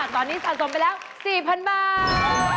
ตอนนี้สะสมไปแล้ว๔๐๐๐บาท